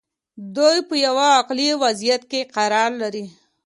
دوی په یوه عقلي وضعیت کې قرار لري.